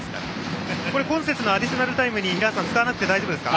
今節の「アディショナルタイム」に使わなくていいですか？